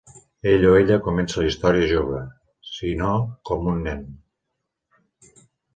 Ell o ella comença la història jove, si no com un nen.